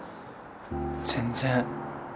全然。